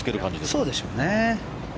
そうでしょうね。